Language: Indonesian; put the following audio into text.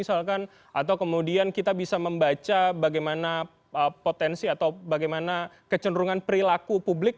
atau kemudian kita bisa membaca bagaimana potensi atau bagaimana kecenderungan perilaku publik